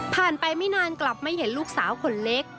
ไปไม่นานกลับไม่เห็นลูกสาวคนเล็ก